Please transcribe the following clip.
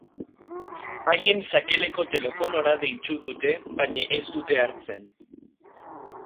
Haien sakeleko telefonora deitu dute baina ez dute hartzen.